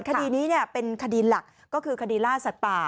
คดีนี้เป็นคดีหลักก็คือคดีล่าสัตว์ป่า